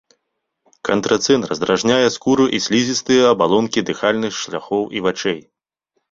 Антрацэн раздражняе скуру і слізістыя абалонкі дыхальных шляхоў і вачэй.